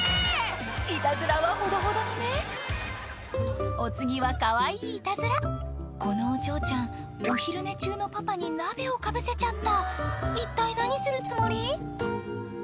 いたずらはほどほどにねお次はかわいいいたずらこのお嬢ちゃんお昼寝中のパパに鍋をかぶせちゃった一体何するつもり？